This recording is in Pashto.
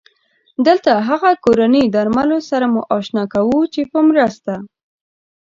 دلته هغه کورني درملو سره مو اشنا کوو چې په مرسته